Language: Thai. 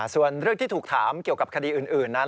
ส่วนเรื่องที่ถูกถามเกี่ยวกับคดีอื่นนั้น